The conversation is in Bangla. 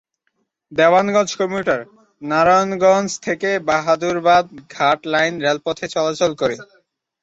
দেওয়ানগঞ্জ কমিউটার নারায়ণগঞ্জ-বাহাদুরাবাদ ঘাট লাইন রেলপথে চলাচল করে।